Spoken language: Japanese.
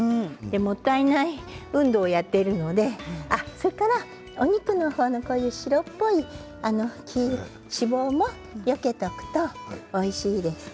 もったいない運動をやっているのでそこからお肉の白っぽい脂肪もよけておくとおいしいです。